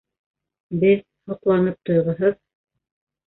Беҙ — һоҡланып туйғыһыҙ.